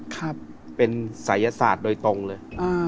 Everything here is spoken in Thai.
ครับเป็นศัยศาสตร์โดยตรงเลย